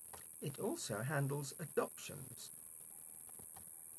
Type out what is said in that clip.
It also handles adoptions.